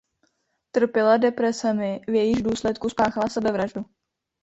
Trpěla depresemi v jejichž důsledku spáchala sebevraždu.